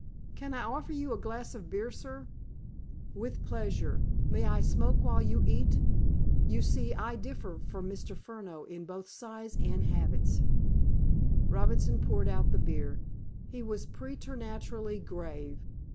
"Can I offer you a glass of beer, sir?" "With pleasure. May I smoke while you eat? You see, I differ from Mr. Furneaux in both size and habits." Robinson poured out the beer. He was preternaturally grave.